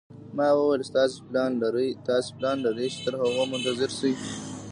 ما وویل: تاسي پلان لرئ چې تر هغو منتظر شئ.